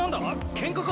ケンカか！？